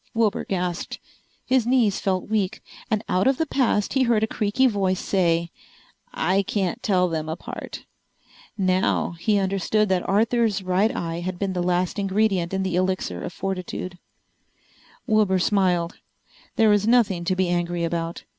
Wilbur gasped. His knees felt weak, and out of the past he heard a creaky voice say, "... I can't tell them apart." Now he understood that Arthur's right eye had been the last ingredient in the Elixir of Fortitude! Wilbur smiled. There was nothing to be angry about.